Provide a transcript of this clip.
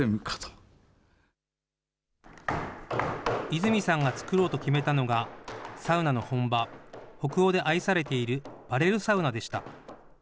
泉さんが作ろうと決めたのが、サウナの本場、北欧で愛されているバレルサウナでした。